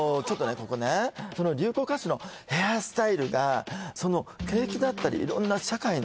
ここねその流行歌手のヘアスタイルがその景気だったり色んな社会の